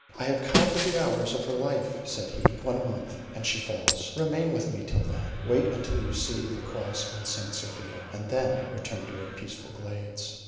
"I have counted the hours of her life," said he; "one month, and she falls. Remain with me till then; wait till you see the cross on St. Sophia; and then return to your peaceful glades."